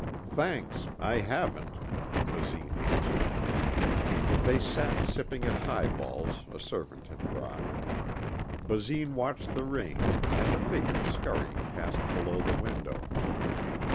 "Thanks, I haven't," Basine answered. They sat sipping at highballs a servant had brought. Basine watched the rain and a figure scurrying past below the window.